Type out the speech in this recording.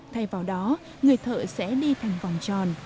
thay vào đó người thợ sẽ đi thành vòng tròn